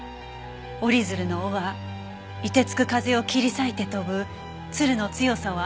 折り鶴の尾は凍てつく風を切り裂いて飛ぶ鶴の強さを表しているのだと。